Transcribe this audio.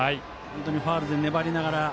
ファウルで粘りながら。